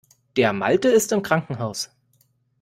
Der Malte ist im Krankenhaus.